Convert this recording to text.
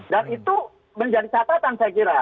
dan itu menjadi catatan saya kira